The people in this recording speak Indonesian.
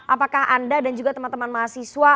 apakah anda dan juga teman teman mahasiswa